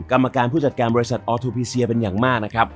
กรรมการผู้จัดการบริษัทออทูพีเซียเป็นอย่างมากนะครับ